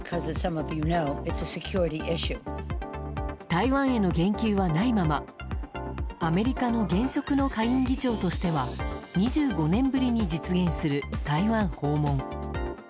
台湾への言及はないままアメリカの現職の下院議長としては２５年ぶりに実現する台湾訪問。